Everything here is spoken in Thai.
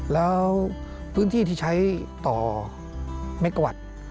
แล้วพื้นที่ที่ใช้ต่อเมกะวัตต์